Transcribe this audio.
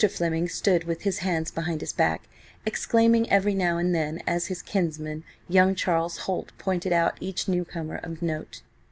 Fleming stood with his hands behind his back, exclaiming every now and then as his kinsman, young Charles Holt, pointed out each newcomer of note.